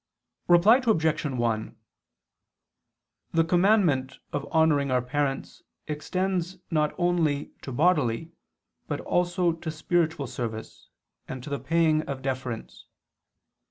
Reply Obj. 1: The commandment of honoring our parents extends not only to bodily but also to spiritual service, and to the paying of deference.